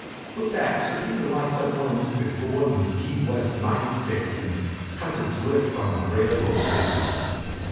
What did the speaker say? With that Sir Peter lights up one of Mr. Gordon's Key West night sticks and cuts adrift on the railroad business.